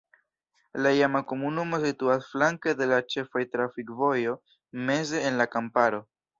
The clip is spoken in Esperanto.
La iama komunumo situas flanke de la ĉefaj trafikvojoj meze en la kamparo.